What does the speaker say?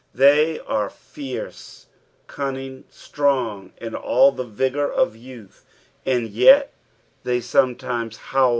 They are fierce, cunning, strong, in all the vigour of youth, and yet they sometimea how!